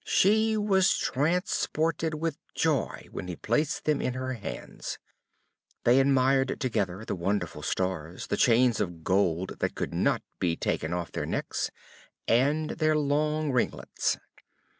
She was transported with joy when he placed them in her hands. They admired together the wonderful stars, the chains of gold that could not be taken off their necks, and their long ringlets.